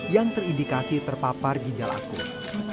yang terindikasi terpapar ginjal akut